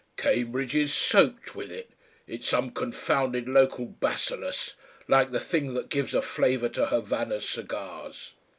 Cambridge is soaked with it; it's some confounded local bacillus. Like the thing that gives a flavour to Havana cigars.